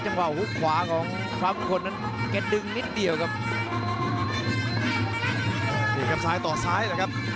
จังหวะฮุกขวาของฟ้ามงคลนั้นแกดึงนิดเดียวครับนี่ครับซ้ายต่อซ้ายเลยครับ